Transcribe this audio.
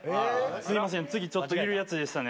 すみません、次、ちょっといるやつでしたね。